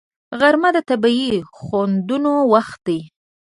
غرمه د طبیعي خوندونو وخت دی